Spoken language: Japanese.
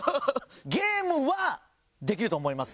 ゲームはできると思います。